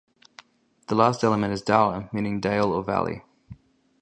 The last element is "dalr" meaning dale or valley.